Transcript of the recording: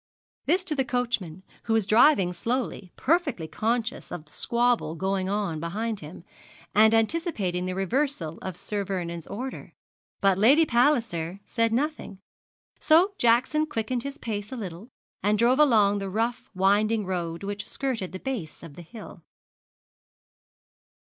This to the coachman, who was driving slowly, perfectly conscious of the squabble going on behind him, and anticipating the reversal of Sir Vernon's order. But Lady Palliser said nothing, so Jackson quickened his pace a little, and drove along the rough winding road which skirted the base of the hill.